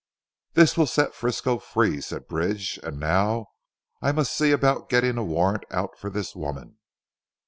"This will set Frisco free," said Bridge, "and now I must see about getting a warrant out for this woman."